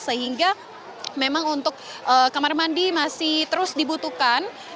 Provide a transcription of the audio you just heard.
sehingga memang untuk kamar mandi masih terus dibutuhkan